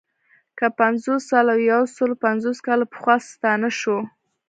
که پنځوس، سل او یو سلو پنځوس کاله پخوا ستانه شو.